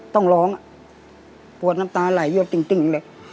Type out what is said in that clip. ต้องร้องปวดน้ำตาไหลเยอะติ้งเลย